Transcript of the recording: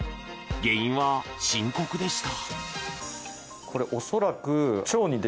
原因は深刻でした。